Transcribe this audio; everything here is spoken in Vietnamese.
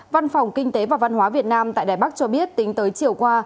văn phòng kinh tế và văn hóa việt nam tại đài bắc cho biết tính tới chiều qua